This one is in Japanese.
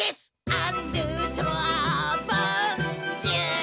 「アンドゥトロワボンジュール」